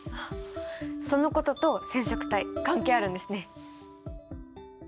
そのことと染色体関係あるんですね。